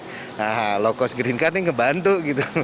nah low cost green card ini ngebantu gitu